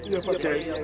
ya pak kiai